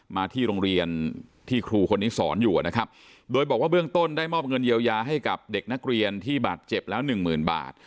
มาที่โรงเรียนที่ครูคนนี้สอนอยู่นะครับโดยบอกว่าเบื้องต้นได้มอบเงินเยียวยาให้กับเด็กนักเรียนที่บาดเจ็บแล้วหนึ่งหมื่นบาท